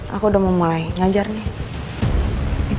aku udah mau mulai ngajar nih